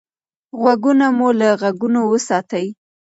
غوږونه مو له غږونو وساتئ.